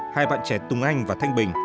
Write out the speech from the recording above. hai bạn trẻ tùng anh và thanh bình